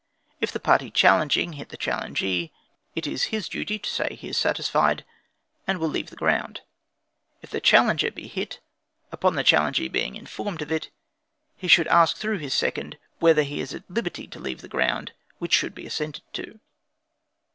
If the party challenging, hit the challengee, it is his duty to say he is satisfied, and will leave the ground. If the challenger be hit, upon the challengee being informed of it, he should ask through his second, whether he is at liberty to leave the ground which should be assented to.